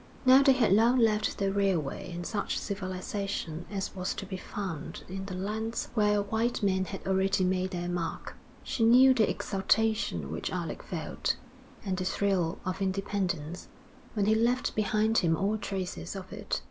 Now they had long left the railway and such civilisation as was to be found in the lands where white men had already made their mark. She knew the exultation which Alec felt, and the thrill of independence, when he left behind him all traces of it.